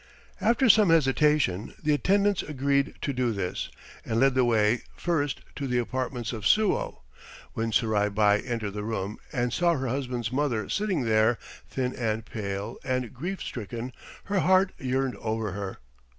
After some hesitation the attendants agreed to do this, and led the way first to the apartments of Suo. When Surai Bai entered the room and saw her husband's mother sitting there thin and pale and grief stricken, her heart yearned over her.